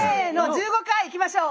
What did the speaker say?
１５回いきましょう！